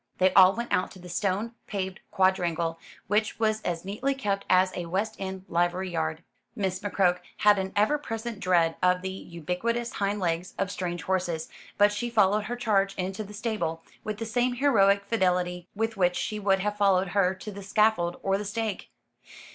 They all went out to the stone paved quadrangle, which was as neatly kept as a West End livery yard. Miss McCroke had an ever present dread of the ubiquitous hind legs of strange horses: but she followed her charge into the stable, with the same heroic fidelity with which she would have followed her to the scaffold or the stake.